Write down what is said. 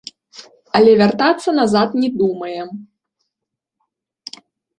Але вяртацца назад не думае.